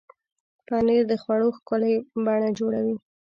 پنېر د خوړو ښکلې بڼه جوړوي.